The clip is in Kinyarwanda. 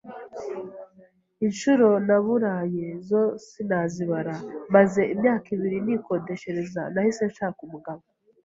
inshuro naburaye zo sinazibara, maze imyaka ibiri nikodeshereza nahise nshaka umugabo